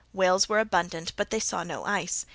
Whales were abundant, but they saw no ice.